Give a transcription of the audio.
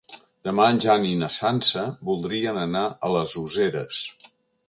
Demà en Jan i na Sança voldrien anar a les Useres.